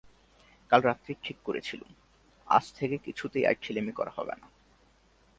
কাল রাত্রেই ঠিক করেছিলুম, আজ থেকে কিছুতেই আর ঢিলেমি করা হবে না।